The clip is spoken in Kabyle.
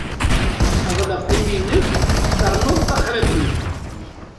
Ɣleq imi-nnek ternuḍ taxriḍt-nnek.